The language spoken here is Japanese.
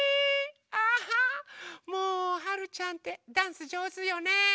あもうはるちゃんってダンスじょうずよね。